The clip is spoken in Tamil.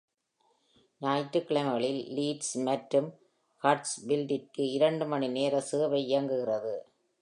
ஞாயிற்றுக்கிழமைகளில், லீட்ஸ் மற்றும் ஹடர்ஸ்ஃபீல்டிற்கு இரண்டு மணி நேர சேவை இயங்குகிறது.